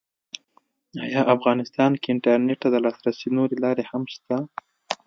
ایا افغانستان کې انټرنېټ ته د لاسرسي نورې لارې هم شته؟